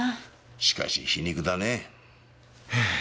しかし皮肉だねえ。